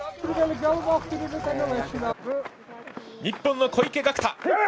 日本の小池岳太